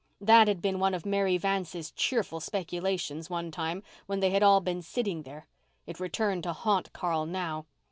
That had been one of Mary Vance's cheerful speculations one time when they had all been sitting there. It returned to haunt Carl now.